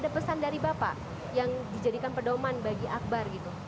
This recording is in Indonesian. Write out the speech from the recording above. ada pesan dari bapak yang dijadikan pedoman bagi akbar gitu